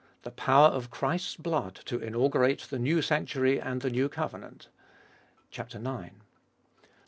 The power of Christ's blood to inaugurate the New Sanctuary and the New Covenant (ix.). 8.